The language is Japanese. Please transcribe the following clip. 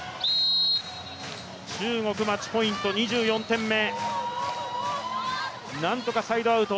中国、マッチポイント、２４点目。